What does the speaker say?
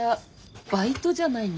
バイトじゃないの。